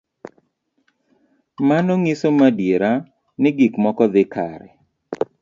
Mano ng'iso madiera ni gik moko dhi kare.